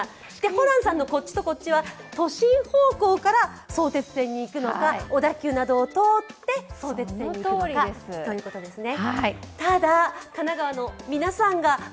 ホランさんのこっちとこっちは都心方向から相鉄線に行くのか、小田急を通って相鉄線に行くのかということですね。